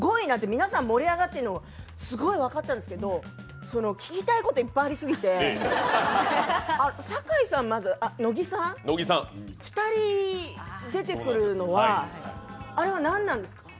皆さん盛り上がっているのがすごい分かったんですけど聞きたいことがいっぱいありすぎて、まず乃木さん２人出てくるのはあれは何なんですか？